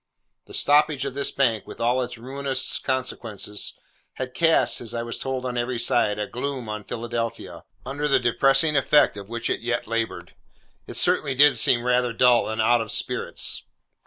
The stoppage of this bank, with all its ruinous consequences, had cast (as I was told on every side) a gloom on Philadelphia, under the depressing effect of which it yet laboured. It certainly did seem rather dull and out of spirits.